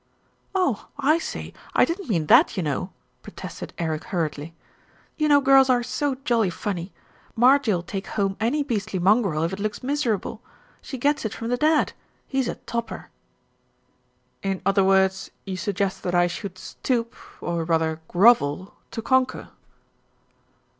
"Oh! I say, T didn't mean that, you know," pro tested Eric hurriedly. "You know girls are so jolly funny. Marjie'll take home any beastly mongrel if it looks miserable. She gets it from the dad he's a topper." ERIC PLAYS A PART "In other words you suggest that I should stoop, or rather grovel, to conquer?"